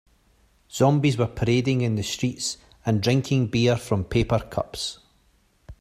Zombies were parading in the streets and drinking beer from paper cups.